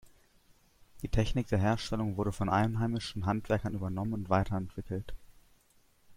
Die Technik der Herstellung wurde von einheimischen Handwerkern übernommen und weiterentwickelt.